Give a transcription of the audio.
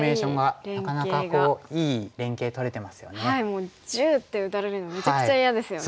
もう⑩って打たれるのめちゃくちゃ嫌ですよね。